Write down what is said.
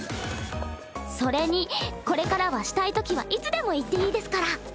それにこれからはしたいときはいつでも言っていいですから。